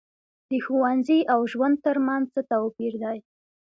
د ښوونځي او ژوند تر منځ څه توپیر دی.